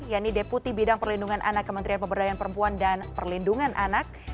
yaitu deputi bidang perlindungan anak kementerian pemberdayaan perempuan dan perlindungan anak